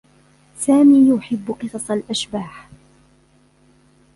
سامي يحبّ قصص الأشباح.